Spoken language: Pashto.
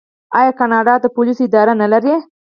آیا کاناډا د پولیسو اداره نلري؟